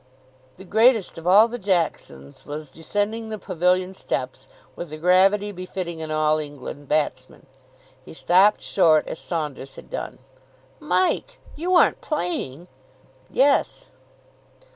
The greatest of all the Jacksons was descending the pavilion steps with the gravity befitting an All England batsman. He stopped short, as Saunders had done. "Mike! You aren't playing!" "Yes."